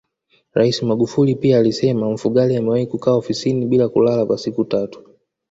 Rais Magufuli pia alisema Mfugale amewahi kukaa ofisini bila kulala kwa siku tatu